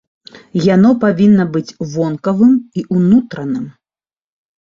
Яно павінна быць вонкавым і ўнутраным.